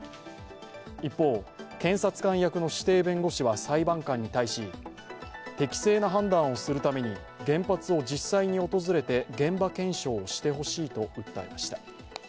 一方、検察官役の指定弁護士は裁判官に対し適正な判断をするために原発を実際に訪れて現場検証してほしいと訴えました。